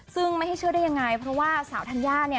ซึ่งไม่ให้เชื่อได้ยังไงเพราะว่าสาวธัญญาเนี่ย